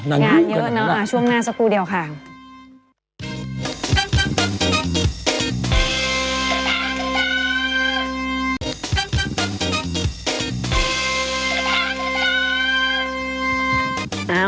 งานเยอะเนอะช่วงหน้าสักครู่เดียวค่ะ